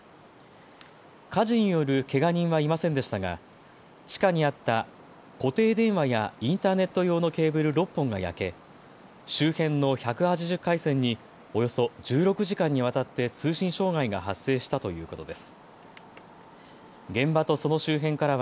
火事によるけが人はいませんでしたが地下にあった固定電話やインターネット用のケーブル６本が焼け周辺の１８０回線におよそ１６時間にわたって通信障害が発生したということです。